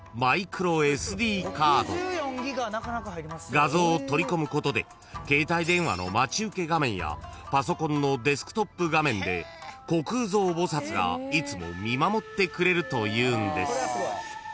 ［画像を取り込むことで携帯電話の待ち受け画面やパソコンのデスクトップ画面で虚空蔵菩薩がいつも見守ってくれるというんです］